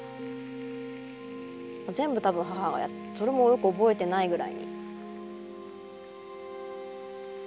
もう全部多分母がやってそれもよく覚えてないぐらいに。